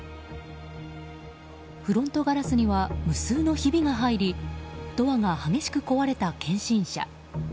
フロントガラスには無数のひびが入りドアが激しく壊れた検診車。